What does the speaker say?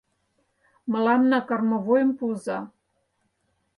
— Мыланна кормовойым пуыза!